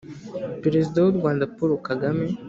perezida w'u rwanda, paul kagame,